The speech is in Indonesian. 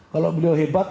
kalau beliau hebat